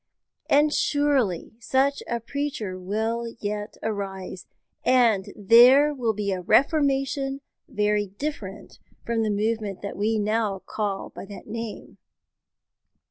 And surely such a preacher will yet arise, and there will be a Reformation very different from the movement we now call by that name.